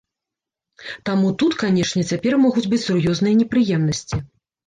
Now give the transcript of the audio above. Таму тут, канешне, цяпер могуць быць сур'ёзныя непрыемнасці.